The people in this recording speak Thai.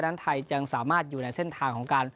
นั้นไทยจึงสามารถอยู่ในเส้นทางของการ